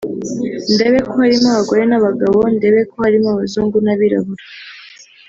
ndebe ko harimo abagore n’abagabo ndebe ko harimo abazungu n’abirabura